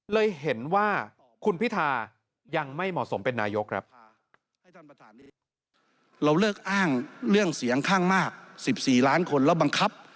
เลยเห็นว่าคุณพิธายังไม่เหมาะสมเป็นนายกครับ